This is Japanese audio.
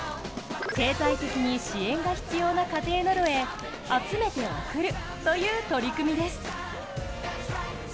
経済的に支援が必要な家庭などへ集めて送るという取り組みです。